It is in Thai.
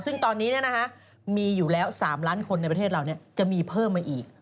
ซึ่งตอนนี้มีอยู่แล้ว๓ล้านคนในประเทศเราจะมีเพิ่มมาอีก